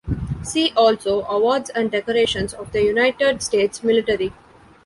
"See also: Awards and decorations of the United States military"